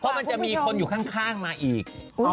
เพราะมันจะมีคนอยู่ข้างมาอีก